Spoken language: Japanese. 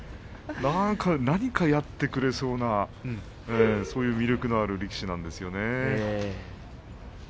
何かやってくれそうなそういう魅力のある力士なんですよね。